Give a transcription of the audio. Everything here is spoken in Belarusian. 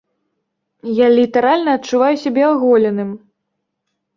Я літаральна адчуваю сябе аголеным!